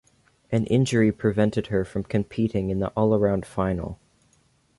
An injury prevented her from competing in the all-around final.